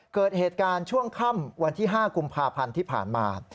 เกิดเหตุการณ์ช่วงค่ำวันที่๕กุมภาพันธ์ที่ผ่านมา